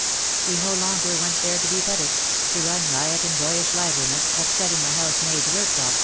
He no longer went there to be petted — to run riot in boyish liveliness, upsetting the housemaids' work boxes.